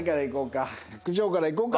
九条からいこうか。